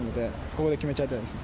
ここで決めちゃいたいです。